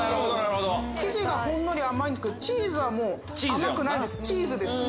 生地がほんのり甘いんですけどチーズは甘くないんですチーズです。